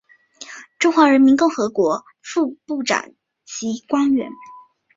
中华人民共和国副部长级官员。